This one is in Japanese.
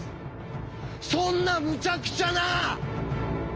そんなむちゃくちゃな！